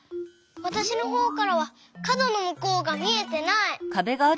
わたしのほうからはかどのむこうがみえてない！